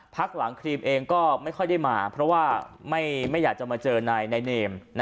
พักหลังครีมเองก็ไม่ค่อยได้มาเพราะว่าไม่อยากจะมาเจอนายเนม